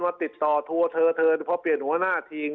มาติดต่อเทอเทอเพราะเปลี่ยนหน้าหน้าทีง